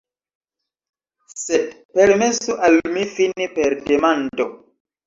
Sed permesu al mi fini per demando.